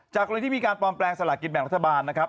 กรณีที่มีการปลอมแปลงสลากินแบ่งรัฐบาลนะครับ